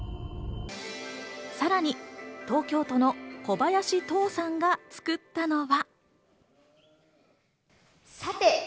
さらに東京都の小林都央さんが作ったのは。